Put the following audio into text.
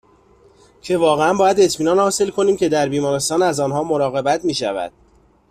که واقعاً باید اطمینان حاصل کنیم که در بیمارستان از آنها مراقبت میشود